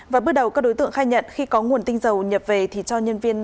và bước đầu các đối tượng khai nhận khi có nguồn tinh dầu nhập về thì cho nhân viên